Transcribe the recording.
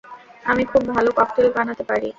আমি খুব ভালো ককটেল বানাতে পারি।